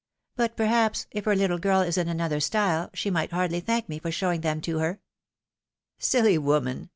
But, perhaps, if her little girl is in another style, she might hardly thank me for showing them to her." " Silly woman